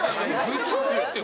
普通ですよ。